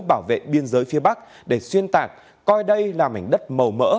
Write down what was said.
bảo vệ biên giới phía bắc để xuyên tạc coi đây là mảnh đất màu mỡ